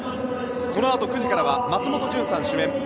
このあと９時からは松本潤さん主演